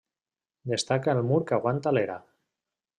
Destaca el mur que aguanta l'era.